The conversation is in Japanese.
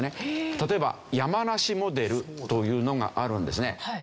例えば山梨モデルというのがあるんですね。